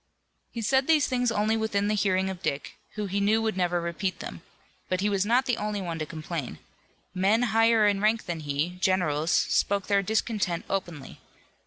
He said these things only within the hearing of Dick, who he knew would never repeat them. But he was not the only one to complain. Men higher in rank than he, generals, spoke their discontent openly.